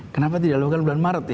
kenapa tidak dilakukan bulan maret